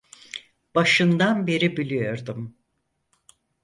Başından beri biliyordum.